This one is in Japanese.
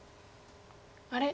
あれ？